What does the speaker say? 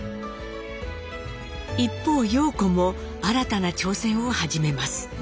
一方様子も新たな挑戦を始めます。